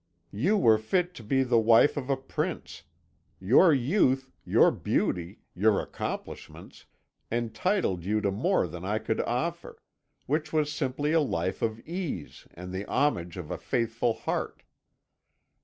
You were fit to be the wife of a prince; your youth, your beauty, your accomplishments, entitled you to more than I could offer which was simply a life of ease and the homage of a faithful heart.